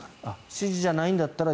指示じゃないんだったら